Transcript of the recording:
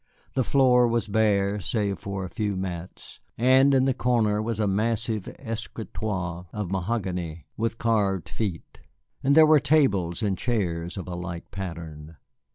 The floor was bare, save for a few mats, and in the corner was a massive escritoire of mahogany with carved feet, and there were tables and chairs of a like pattern.